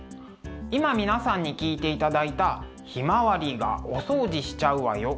今皆さんに聴いていただいた「ひまわりがお掃除しちゃうわよ」。